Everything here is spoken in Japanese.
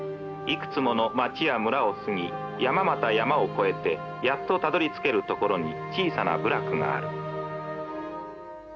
いくつもの町や村を過ぎ山また山を越えてやっとたどりつけるところに小さな部落がある」。